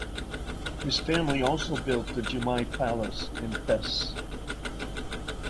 His family also built the Jamai Palace in Fes.